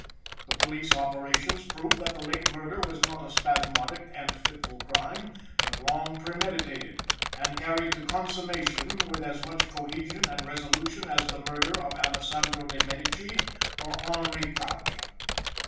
The police operations prove that the late murder as not a spasmodic and fitful crime, but long premeditated, and carried to consummation with as much cohesion and resolution as the murder of Allessandro de Medici or Henri Quatre.